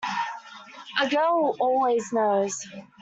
A girl always knows.